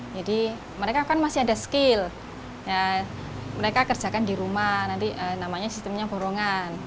jadi mereka kan masih ada skill mereka kerjakan di rumah nanti namanya sistemnya borongan